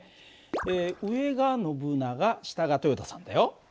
上がノブナガ下が豊田さんだよ。